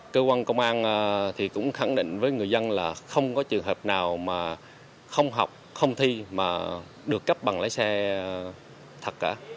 cơ quan công an cũng khẳng định với người dân là không có trường hợp nào mà không học không thi mà được cấp bằng lái xe thật cả